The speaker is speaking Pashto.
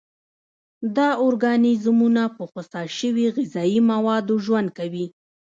دا ارګانیزمونه په خوسا شوي غذایي موادو ژوند کوي.